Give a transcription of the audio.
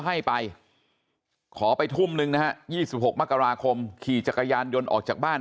ให้ไปขอไปทุ่มนึงนะฮะ๒๖มกราคมขี่จักรยานยนต์ออกจากบ้าน